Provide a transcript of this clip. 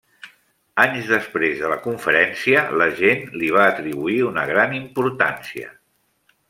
Anys després de la conferència, la gent li va atribuir una gran importància.